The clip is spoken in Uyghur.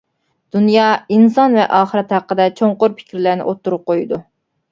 دۇنيا، ئىنسان ۋە ئاخىرەت ھەققىدە چوڭقۇر پىكىرلەرنى ئوتتۇرىغا قويىدۇ.